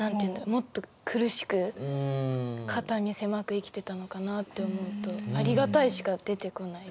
もっと苦しく肩身狭く生きてたのかなって思うとありがたいしか出てこない。